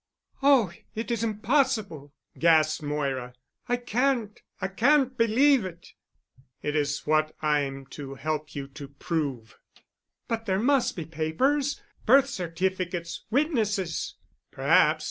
"Oh, it is impossible!" gasped Moira. "I can't—I can't believe it." "It is what I'm to help you to prove." "But there must be papers—birth certificates—witnesses——" "Perhaps.